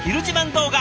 動画